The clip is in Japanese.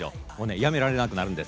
やめられなくなるんです。